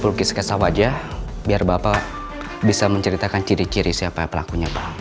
pelukis kesah wajah biar bapak bisa menceritakan ciri ciri siapa pelakunya pak